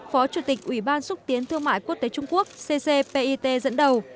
phó chủ tịch ủy ban xúc tiến thương mại quốc tế trung quốc ccpit dẫn đầu